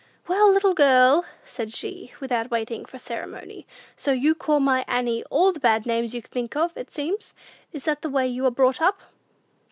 "Well, little girl," said she, without waiting for ceremony, "so you call my Annie all the bad names you can think of, it seems. Is that the way you are brought up?"